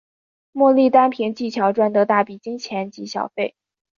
莫莉单凭技巧赚得大笔金钱及小费。